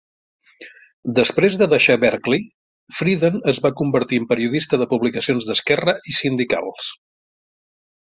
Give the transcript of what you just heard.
Després de deixar Berkeley, Friedan es va convertir en periodista de publicacions d'esquerra i sindicals.